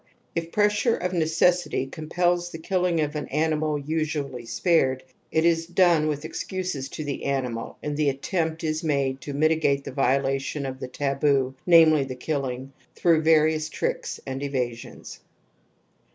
If pressure of necessity compels the killing of an animal usually spared, \t is done with ex cuses to the animal and the attempt is made to mitigate the violation of the taboo, namely the killing, through various tricks and evasions.